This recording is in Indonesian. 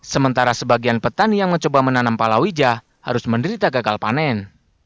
sementara sebagian petani yang mencoba menanam palawija harus menderita gagal panen